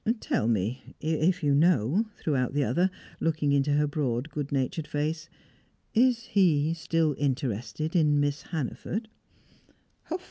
"Tell me, if you know," threw out the other, looking into her broad, good natured face. "Is he still interested in Miss Hannaford?"